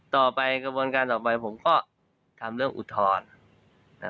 ต่อไปกระบวนการต่อไปผมก็ทำเรื่องอุทธรณ์